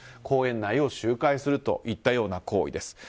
公園内を周回するといったような行為です。